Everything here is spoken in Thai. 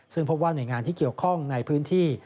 ซึ่งพบว่าหน่วยงานที่เกี่ยวข้องในพื้นที่